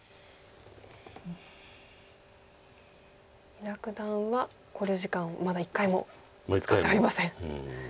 伊田九段は考慮時間をまだ一回も使っておりません。